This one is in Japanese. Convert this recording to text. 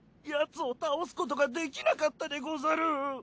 ヤツを倒すことができなかったでござる。